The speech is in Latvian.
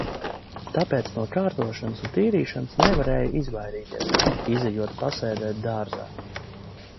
Tāpēc no kārtošanas un tīrīšanas nevarēja izvairīties, izejot pasēdēt dārzā.